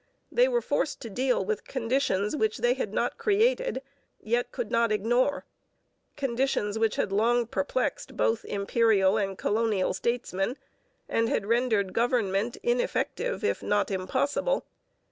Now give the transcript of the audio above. They were forced to deal with conditions which they had not created, yet could not ignore conditions which had long perplexed both Imperial and colonial statesmen, and had rendered government ineffective if not impossible.